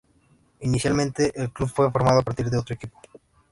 Inicialmente el club fue formado a partir de otro equipo.